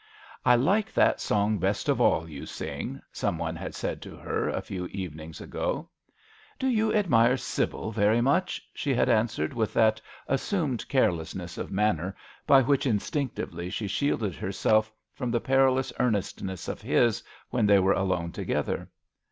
" I like that song best of all you sing/' some one had said to her a few evenings ago. " Do you admire Sybille very much ?" she had answered, with that assumed carelessness of manner by which instinctively she shielded herself from the perilous earnestness of his when they were alone together.